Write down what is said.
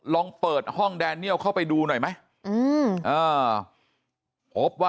ลองเปิดห้องแดเนียลเข้าไปดูหน่อยไหม